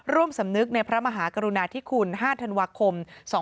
ร่วมสำนึกในพระมหากรุณาที่ขุน๕ธันวาคม๒๕๕๙